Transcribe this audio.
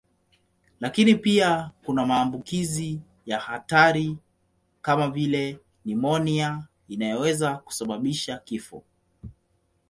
Lakini pia kuna maambukizi ya hatari kama vile nimonia inayoweza kusababisha kifo.